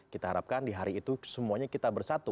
kita harapkan di hari itu semuanya kita bersatu